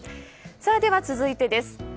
では続いてです。